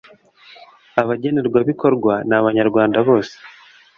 abagenerwabikorwa ni abanyarwanda bose